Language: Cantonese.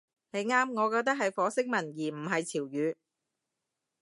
你啱，我覺得係火星文而唔係潮語